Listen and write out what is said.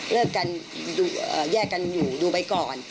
เลิกกันแยกกันอยู่ดูไปก่อน